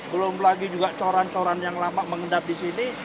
belum lagi juga coran coran yang lama mengendap di sini